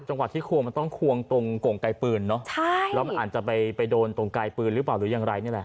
จังหวัดที่ควงมันต้องควงตรงโก่งไกลปืนเนอะใช่แล้วมันอาจจะไปไปโดนตรงไกลปืนหรือเปล่าหรือยังไรนี่แหละ